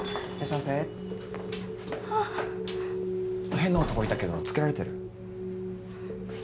変な男いたけどつけられてる？